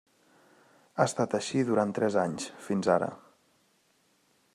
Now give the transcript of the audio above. Ha estat així durant tres anys, fins ara.